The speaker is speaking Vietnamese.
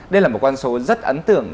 đây là một con số rất ấn tượng